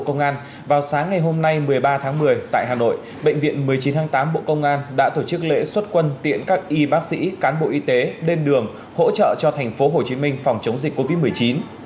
công an vào sáng ngày hôm nay một mươi ba tháng một mươi tại hà nội bệnh viện một mươi chín tháng tám bộ công an đã tổ chức lễ xuất quân tiện các y bác sĩ cán bộ y tế bên đường hỗ trợ cho thành phố hồ chí minh phòng chống dịch covid một mươi chín